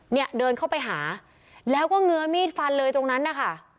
เนี่ยเดินเข้าไปหาแล้วก็เงื้อมีดฟันเลยตรงนั้นนะคะ